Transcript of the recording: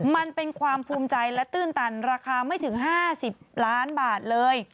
มันเป็นความภูมิใจและตื้นตันราคาไม่ถึง๕๐ล้านบาทเลย